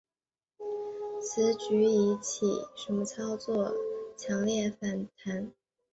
此举引起未名空间网友对站方黑箱操作的强烈反弹。